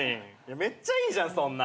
めっちゃいいじゃんそんなん。